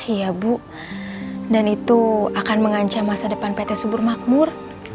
iya bu dan itu akan mengancam masa depan pt subur makmur